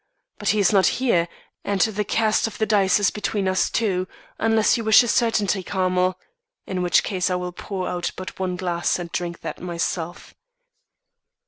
But he is not here, and the cast of the die is between us two, unless you wish a certainty, Carmel, in which case I will pour out but one glass and drink that myself.